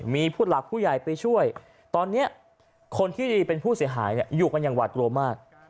มีผู้หลักผู้ใหญ่ไปช่วยตอนนี้คนที่เป็นผู้เสียหายอยู่กันอย่างหวาดกลัวมาก